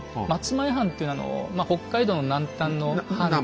松前藩というのは北海道の南端の藩。